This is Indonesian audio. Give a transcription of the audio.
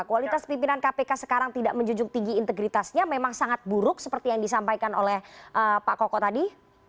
kualitas pimpinan kpk sekarang tidak menjunjung tinggi integritasnya memang sangat buruk seperti yang disampaikan oleh pak koko tadi